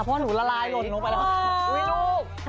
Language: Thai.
เพราะหนูละลายลดลงไปแล้ว